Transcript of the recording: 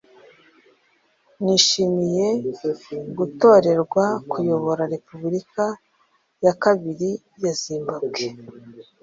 nishimiye gutorerwa kuyobora Repubulika ya Kabili ya Zimbabwe